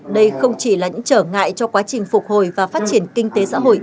đây không chỉ là những trở ngại cho quá trình phục hồi và phát triển kinh tế xã hội